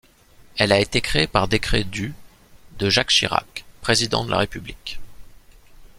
Elle a été créée par décret du de Jacques Chirac, président de la République.